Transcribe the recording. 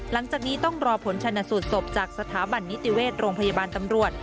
หลังจากนี้ต้องรอผลชนสูตรศพจากสถาบันนิติเวชโรงพยาบาลตำรวจ